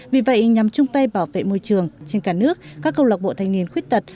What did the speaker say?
vì vậy nhằm chung tay bảo vệ môi trường trên cả nước các công lạc bộ thanh niên khuyết tật